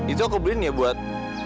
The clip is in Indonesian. itu aku beliin ya buat